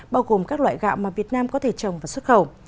bao gồm các loại gạo mà việt nam có thể trồng và xuất khẩu